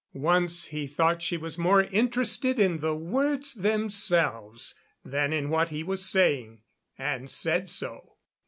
Once he thought she was more interested in the words themselves than in what he was saying, and said so.